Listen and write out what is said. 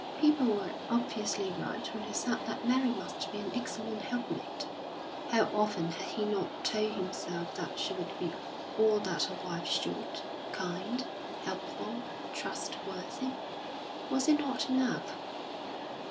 People were obviously right when they said that Mary must be an excellent helpmate. How often had he not told himself that she would be all that a wife should kind, helpful, trustworthy. Was it not enough?